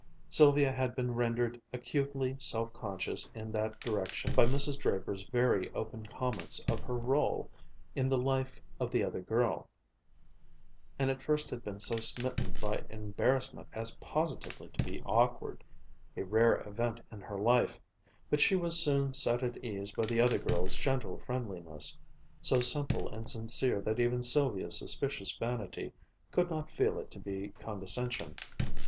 Sylvia had been rendered acutely self conscious in that direction by Mrs. Draper's very open comments on her rôle in the life of the other girl, and at first had been so smitten by embarrassment as positively to be awkward, a rare event in her life: but she was soon set at ease by the other girl's gentle friendliness, so simple and sincere that even Sylvia's suspicious vanity could not feel it to be condescension.